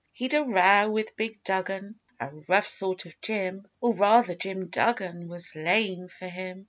He'd a row with Big Duggan a rough sort of Jim Or, rather, Jim Duggan was 'laying for' him!